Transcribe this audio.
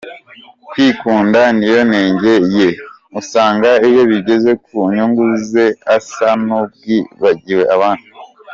Kwikunda niyo nenge ye , usanga iyo bigeze ku nyungu ze asa n’uwibagiwe abandi.